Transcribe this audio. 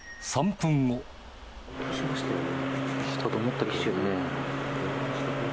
音がしましたよね？